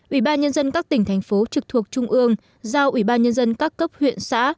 ủy ban nhân dân các tỉnh thành phố trực thuộc trung ương giao ủy ban nhân dân các cấp huyện xã